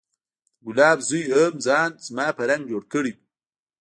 د ګلاب زوى هم ځان زما په رنګ جوړ کړى و.